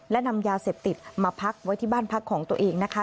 และนำยาเสพติดมาพักไว้ที่บ้านพักของตัวเองนะคะ